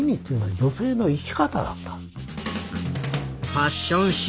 ファッション史